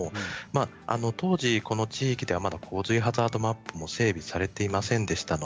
当時、この地域では洪水ハザードマップも整備されていませんでした。